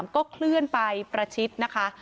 ก็เคลื่อนไปประชิดนะคะ